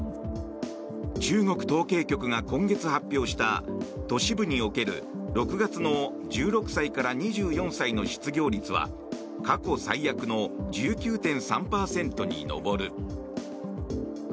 中国統計局が今月発表した都市部における、６月の１６歳から２４歳の失業率は過去最悪の１９．３％に上る。